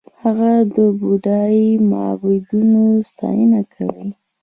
هغه د بودايي معبدونو ستاینه کړې